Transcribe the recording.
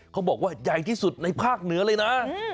เขาบอกว่าใหญ่ที่สุดในภาคเหนือเลยนะ